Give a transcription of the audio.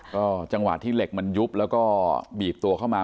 ก็จังหวะที่เหล็กมันยุบแล้วก็บีบตัวเข้ามา